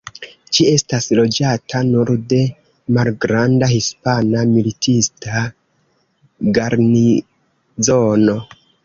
Ĝi estas loĝata nur de malgranda hispana militista garnizono.